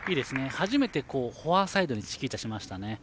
初めてフォアサイドにチキータしましたね。